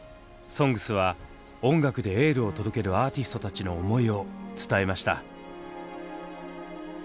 「ＳＯＮＧＳ」は音楽でエールを届けるアーティストたちの思いを伝えました。